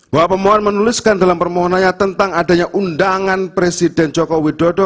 bahwa pemohon menuliskan dalam permohonannya tentang adanya undangan presiden joko widodo